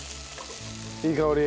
いい香り。